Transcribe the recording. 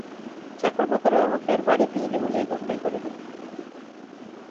চাকর-বাকররাও আমাকে আর বাড়ির গৃহিণী বলিয়া গণ্যই করে না।